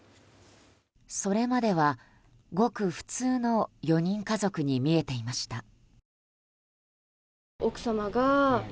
それまでは、ごく普通の４人家族に見えていました。